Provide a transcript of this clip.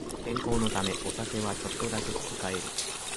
健康のためお酒はちょっとだけ控える